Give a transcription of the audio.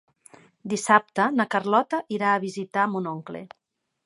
Dissabte na Carlota irà a visitar mon oncle.